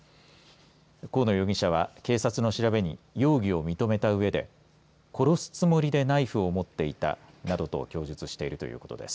河野容疑者は警察の調べに容疑を認めたうえで殺すつもりでナイフを持っていたなどと供述しているということです。